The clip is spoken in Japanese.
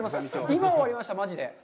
今、終わりました、マジで。